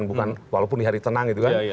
bukan walaupun di hari tenang gitu kan